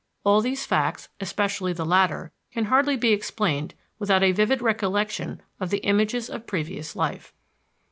All these facts, especially the latter, can hardly be explained without a vivid recollection of the images of previous life.